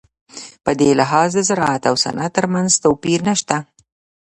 په دې لحاظ د زراعت او صنعت ترمنځ توپیر نشته.